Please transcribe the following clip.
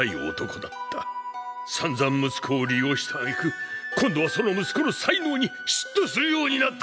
さんざん息子を利用したあげく今度はその息子の才能に嫉妬するようになった！